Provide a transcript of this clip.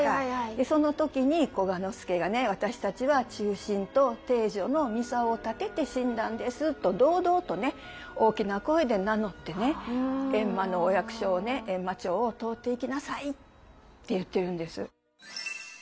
でその時に久我之助がね私たちは忠臣と貞女の操を立てて死んだんですと堂々とね大きな声で名乗ってね閻魔のお役所をね閻魔庁を通っていきないさいって言ってるんです。